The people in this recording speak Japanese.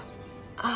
ああ。